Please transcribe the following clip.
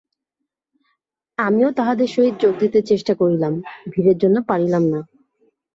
আমিও তাহাদের সহিত যোগ দিতে চেষ্টা করিলাম, ভিড়ের জন্য পারিলাম না।